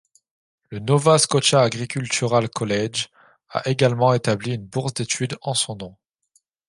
Le Nova Scotia Agricultural College a également établit une bourse d'étude en son nom.